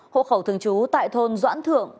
hộ khẩu thường trú tại thôn doãn thượng